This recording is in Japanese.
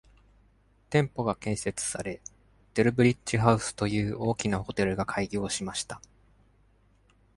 店舗が建設され、デルブリッジ・ハウスという大きなホテルが開業しました。